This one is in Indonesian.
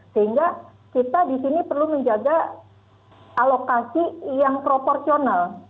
sehingga kita di sini perlu menjaga alokasi yang proporsional